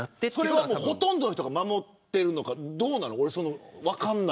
それは、ほとんどの人が守ってるのかどうなのか。